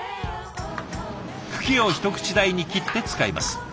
茎を一口大に切って使います。